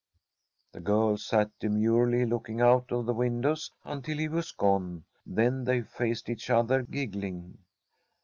The girls sat demurely looking out of the windows until he was gone, then they faced each other, giggling.